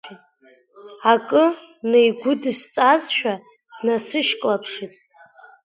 Акы неигәыдысҵазшәа, днасышьклаԥшит.